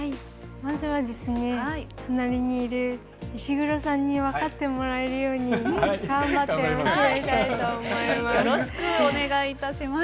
まず、隣にいる石黒さんに分かってもらえるように頑張って教えたいと思います。